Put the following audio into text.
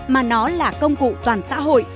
mà nó là công cụ toàn xã hội